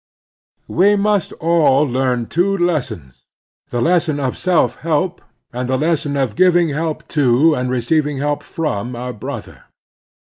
We must all leam the two lessons — ^the lesson of self help and the lesson of giving help to and receiving help from our brother.